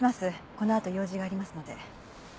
このあと用事がありますので。